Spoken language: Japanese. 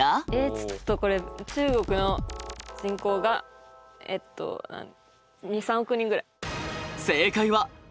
ちょっとこれ中国の人口がえっと２３億人ぐらい。